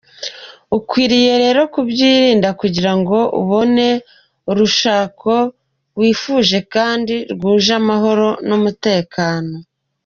Ukwiriye rero kubyirinda kugira ngo ubone urushako wifuje kandi rwuje amahoro n’umutekano.